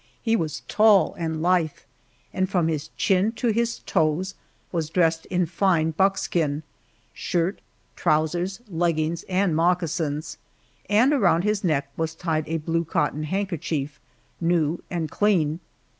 He was tall and lithe, and from his chin to his toes was dressed in fine buckskin shirt, trousers, leggings, and moccasins and around his neck was tied a blue cotton handkerchief, new and clean.